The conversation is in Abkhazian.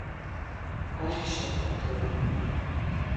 Ахьшь ахаҭоуп.